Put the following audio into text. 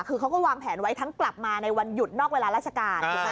คือเขาก็วางแผนไว้ทั้งกลับมาในวันหยุดนอกเวลาราชการถูกไหม